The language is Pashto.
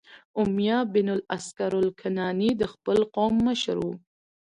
امیة بن الاسکر الکناني د خپل قوم مشر و،